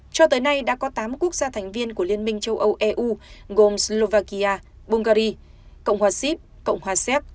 cho tới nay đã có tám quốc gia thành viên của liên minh châu âu eu gồm slovakia bungary cộng hòa xíp cộng hòa séc